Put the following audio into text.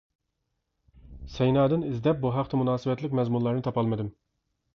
سەينادىن ئىزدەپ بۇ ھەقتە مۇناسىۋەتلىك مەزمۇنلارنى تاپالمىدىم.